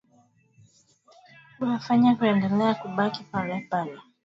huwafanya kuendelea kubaki palepale kwa sababu wanapata maji ya kutosha